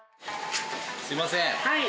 すいません。